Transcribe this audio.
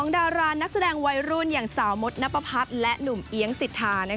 ดารานักแสดงวัยรุ่นอย่างสาวมดนับประพัฒน์และหนุ่มเอี๊ยงสิทธา